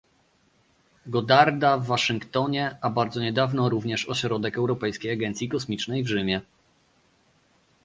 Goddarda w Waszyngtonie, a bardzo niedawno również ośrodek Europejskiej Agencji Kosmicznej w Rzymie